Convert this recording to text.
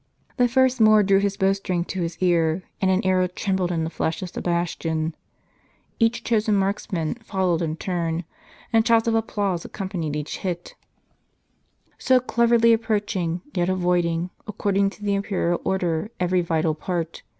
The first Moor drew his bow string to his ear, and an arrow trembled in the flesh of Sebastian. Each chosen marksman followed in turn ; and shouts of applause accom panied each hit, so cleverly approaching, yet avoiding, according to the imperial order, every vital part.